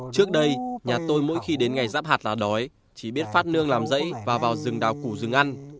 trước đây nhà tôi mỗi khi đến ngày rắp hạt là đói chỉ biết phát nương làm rẫy và vào rừng đào củ rừng ăn